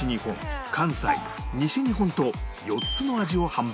関西西日本と４つの味を販売